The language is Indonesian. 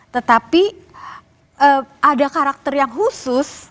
tetapi ada karakter yang khusus